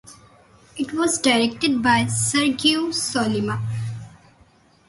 It was directed by Sergio Sollima.